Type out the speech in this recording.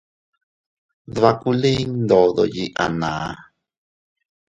Dbakuliin ndodo yiʼi a naan.